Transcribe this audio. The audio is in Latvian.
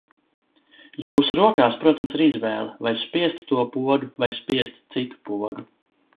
Jūsu rokās, protams, ir izvēle, vai spiest to pogu vai spiest citu pogu.